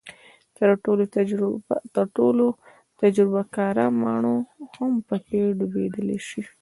تر ټولو تجربه کاره ماڼو هم پکې ډوبېدلی شي.